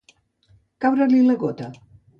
Caure-li la gota.